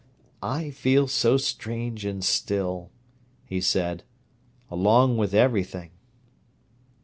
"I feel so strange and still," he said; "along with everything."